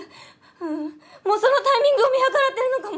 ううんもうそのタイミングを見計らってるのかも。